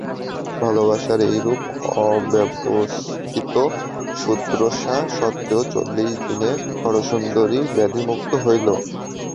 ভালোবাসার এইরূপ অব্যবস্থিত শুশ্রূষা সত্ত্বেও চল্লিশ দিনে হরসুন্দরী ব্যাধিমুক্ত হইল।